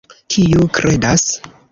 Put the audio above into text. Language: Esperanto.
Kiu kredas?